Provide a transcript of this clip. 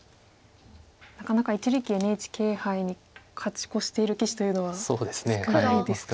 なかなか一力ＮＨＫ杯に勝ち越している棋士というのは少ないですよね。